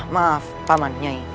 maaf pak mannyai